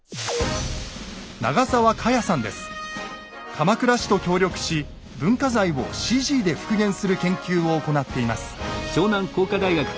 鎌倉市と協力し文化財をＣＧで復元する研究を行っています。